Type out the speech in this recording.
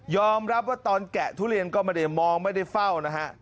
รับว่าตอนแกะทุเรียนก็ไม่ได้มองไม่ได้เฝ้านะฮะ